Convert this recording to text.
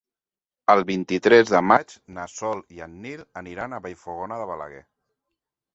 El vint-i-tres de maig na Sol i en Nil aniran a Vallfogona de Balaguer.